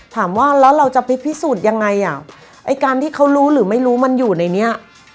ถามว่าแล้วเราจะไปพิสูจน์ยังไงอ่ะไอ้การที่เขารู้หรือไม่รู้มันอยู่ในเนี้ย